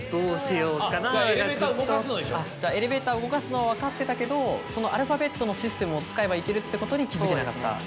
エレベーターを動かすのは分かってたけどそのアルファベットのシステムを使えばいけるってことに気付けなかった。